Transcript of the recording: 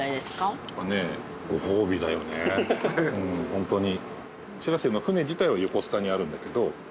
ホントに。